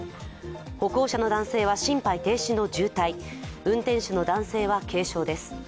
歩行者の男性は心肺停止の重体、運転手の男性は軽傷です。